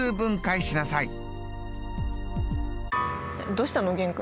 どうしたの玄君。